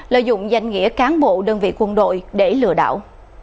lợi dụng danh nghĩa cán bộ đơn vị quân đội để lừa đảo